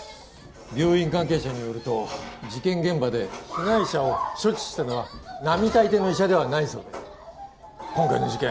病院関係者によると事件現場で被害者を処置したのは並大抵の医者ではないそうで今回の事件